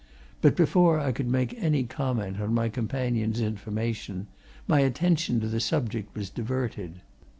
But before I could make any comment on my companion's information, my attention to the subject was diverted.